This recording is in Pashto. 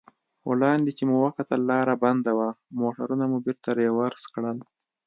وړاندې چې مو وکتل لار بنده وه، موټرونه مو بېرته رېورس کړل.